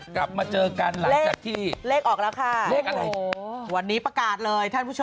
กลับมาเจอกันหลังจากที่เลขออกแล้วค่ะเลขอะไรวันนี้ประกาศเลยท่านผู้ชม